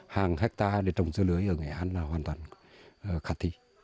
hàng hectare để trồng dưa lưới ở nghệ an là hoàn toàn khả thi